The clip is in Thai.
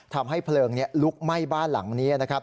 ทำให้เผลิงลุกไหม้บ้านหลังนี้